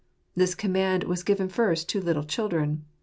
This command was given first to little children